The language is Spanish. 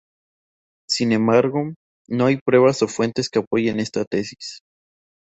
Sin embargo, no hay pruebas o fuentes que apoyen esta tesis.